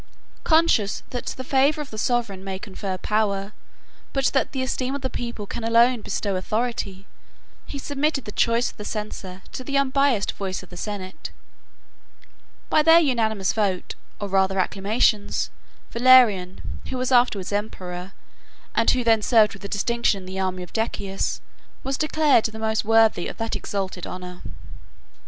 38 Conscious that the favor of the sovereign may confer power, but that the esteem of the people can alone bestow authority, he submitted the choice of the censor to the unbiased voice of the senate. By their unanimous votes, or rather acclamations, Valerian, who was afterwards emperor, and who then served with distinction in the army of Decius, was declared the most worthy of that exalted honor.